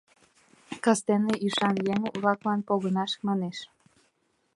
Кастене ӱшан еҥ-влаклан погынаш, манеш.